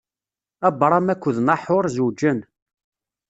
Abṛam akked Naḥuṛ zewǧen.